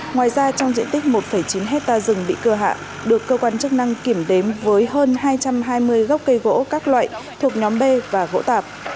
ngoài ra trong diện tích một chín hectare rừng bị cưa hạ được cơ quan chức năng kiểm đếm với hơn hai trăm hai mươi gốc cây gỗ các loại thuộc nhóm b và gỗ tạp